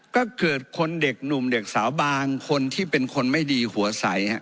ก็เกิดคนเด็กหนุ่มเด็กสาวบางคนที่เป็นคนไม่ดีหัวใส